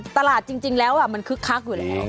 ตลาดจริงแล้วมันคึกคักอยู่แล้ว